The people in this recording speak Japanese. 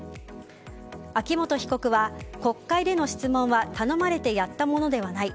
秋本被告は国会での質問は頼まれてやったものではない。